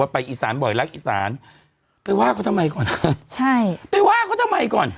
ไปว่ากับเขาทำไมก่อน